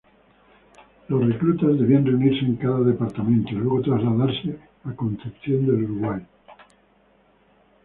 Los reclutas debían reunirse en cada departamento y luego trasladarse a Concepción del Uruguay.